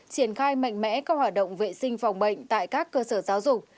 triển khai mạnh mẽ các hoạt động vệ sinh phòng bệnh tại các cơ sở giáo dục